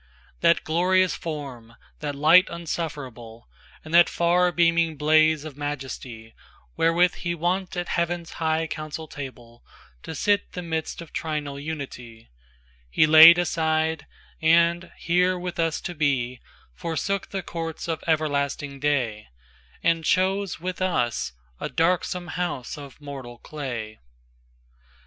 IIThat glorious Form, that Light unsufferable, And that far beaming blaze of majesty, Wherewith he wont at Heaven's high council tableTo sit the midst of Trinal Unity, He laid aside, and, here with us to be, Forsook the Courts of everlasting Day, And chose with us a darksome house of mortal clay.